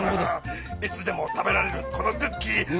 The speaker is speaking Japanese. いつでも食べられるこのクッキー！